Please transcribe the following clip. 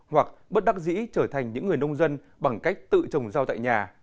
hoặc bất đắc dĩ trở thành những người nông dân bằng cách tự trồng rau tại nhà